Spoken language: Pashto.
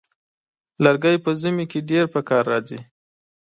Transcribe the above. لرګی په ژمي کې ډېر پکار راځي.